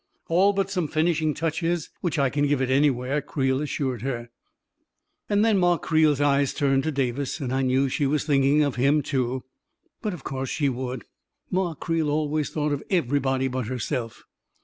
" All but some finishing touches which I can give it anywhere,' 9 Creel assured her. And then Ma Creel's eyes turned to Davis, and I knew she was thinking of him, too. But of course she would! Ma Creel always thought of every body but herself.